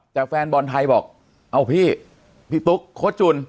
แต่แฟนบอลไทยบอกเอาพี่พี่ตุ๊กโค้ชจุน